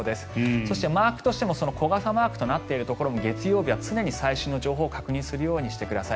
そして、マークとしても小傘マークとなっているところも月曜日は常に最新の情報を確認するようにしてください。